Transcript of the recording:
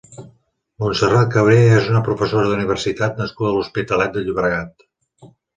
Montserrat Cabré és una professora d'universitat nascuda a l'Hospitalet de Llobregat.